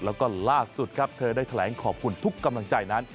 แล้วก็ล่าสุดครับเธอได้แถลงขอบคุณทุกกำลังใจนั้น